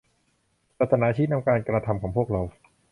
ศาสนาชี้นำการกระทำของพวกเรา